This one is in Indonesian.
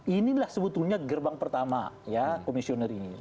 inilah sebetulnya gerbang pertama ya komisioner ini